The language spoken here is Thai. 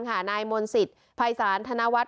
หานายมนตร์สิทธิ์ภัยสารธนาวัตร